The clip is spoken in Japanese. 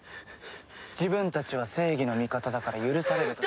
自分たちは正義の味方だから許されるとでも？